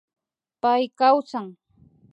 Pay kawsan